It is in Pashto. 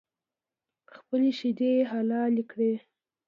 خپلې شیدې یې حلالې کړې.